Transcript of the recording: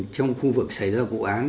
trong khu vực xảy ra vụ án